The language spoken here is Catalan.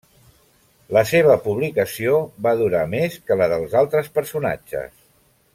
La seva publicació va durar més que la dels altres personatges.